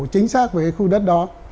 chính xác về khu đất đó